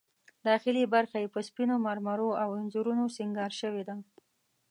داخلي برخه یې په سپینو مرمرو او انځورونو سینګار شوې ده.